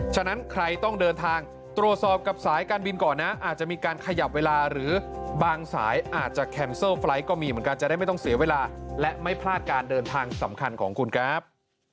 ฉะนั้นใครต้องเดินทางตรวจสอบกับสายการบินก่อนนะอาจจะมีการขยับเวลาหรือบางสายอาจจะแคมเซิลไฟล์ทก็มีเหมือนกันจะได้ไม่ต้องเสียเวลาและไม่พลาดการเดินทางสำคัญของคุณครับ